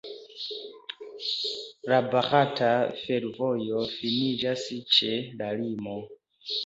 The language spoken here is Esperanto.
La barata fervojo finiĝas ĉe la limo.